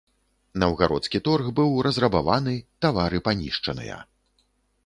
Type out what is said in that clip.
Наўгародскі торг быў разрабаваны, тавары панішчаныя.